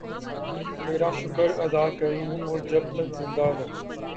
تیرا شکر ادا کروں اور جب تک زندہ رہوں